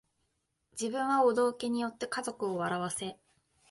自分はお道化に依って家族を笑わせ